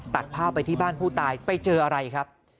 ตัดภาพไปที่บ้านผู้ตายไปเจออะไรครับ